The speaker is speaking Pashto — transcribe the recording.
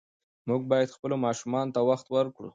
موږ باید خپلو ماشومانو ته وخت ورکړو.